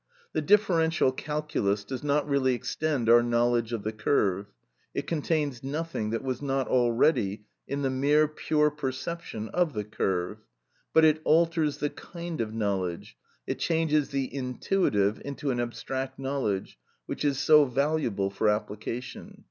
The differential calculus does not really extend our knowledge of the curve, it contains nothing that was not already in the mere pure perception of the curve; but it alters the kind of knowledge, it changes the intuitive into an abstract knowledge, which is so valuable for application.